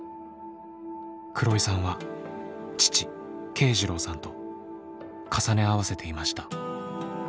黒井さんは父慶次郎さんと重ね合わせていました。